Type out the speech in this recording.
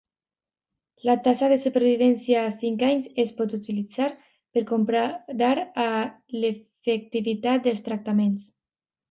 La taxa de supervivència a cinc anys es pot utilitzar per comparar l'efectivitat dels tractaments.